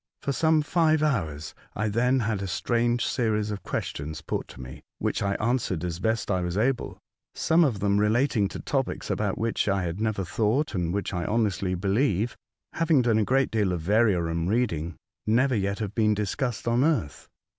For some five hours I then had a strange series of questions put to me, which I answered as best I was able — some of them relating to topics about which I had never thought, and which I honestly believe (having done a good deal of variorum reading) never yet have been discussed on earth.